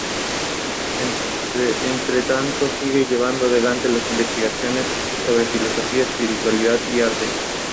La duración de la memoria es transitoria; la memoria es bastante permanente.